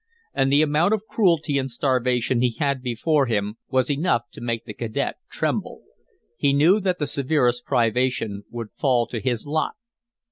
And the amount of cruelty and starvation he had before him was enough to make the cadet tremble. He knew that the severest privation would fall to his lot.